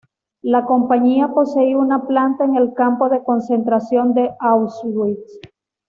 La compañía poseía una planta en el campo de concentración de Auschwitz.